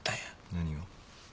何を？